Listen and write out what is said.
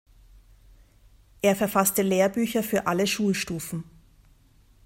Er verfasste Lehrbücher für alle Schulstufen.